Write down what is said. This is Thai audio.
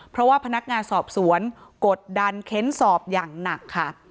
เพราะว่าพนักงานสอบสวนกดดันเค้นสอบอย่างหนักค่ะ